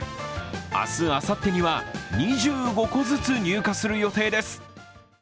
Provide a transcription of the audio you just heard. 明日、あさってには２５個ずつ入荷する予定です。